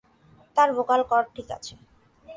তার vocal cord ঠিক আছে।